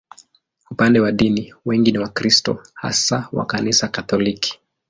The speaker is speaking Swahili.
Upande wa dini, wengi ni Wakristo, hasa wa Kanisa Katoliki.